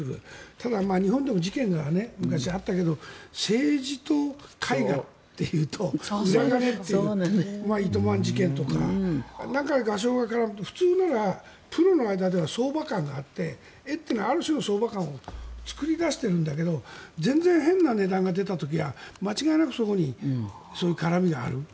ただ、日本でも事件が昔、あったけど政治と絵画というと裏金というイトマン事件とか。何回、絡むと、普通ではプロの間では相場観があって絵というのはある種の相場観を作り出しているんだけど全然変な値段が出た時は間違いなくそこに絡みがある。